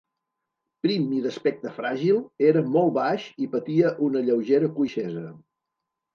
Prim i d'aspecte fràgil, era molt baix i patia una lleugera coixesa.